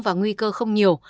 và nguy cơ không nhiều